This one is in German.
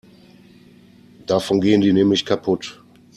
Davon gehen die nämlich kaputt.